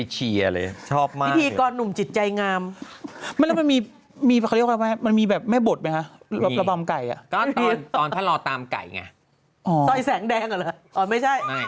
สอยแสงแดงกว่านั่นหรอไม่ใช่